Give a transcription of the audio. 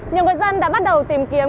nhiều người dân đã bắt đầu tìm kiếm